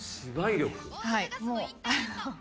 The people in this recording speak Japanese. はい。